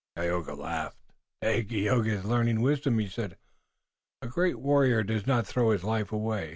Tayoga laughed. "Dagaeoga is learning wisdom," he said. "A great warrior does not throw his life away.